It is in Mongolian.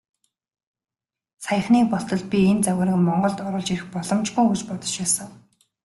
Саяхныг болтол би энэ загварыг Монголд оруулж ирэх боломжгүй гэж бодож байсан.